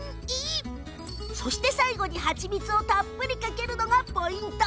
そして最後に蜂蜜をたっぷりかけるのがポイント！